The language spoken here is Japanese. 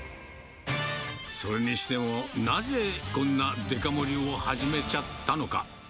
それにしてもなぜ、こんなデカ盛りを始めちゃったのか。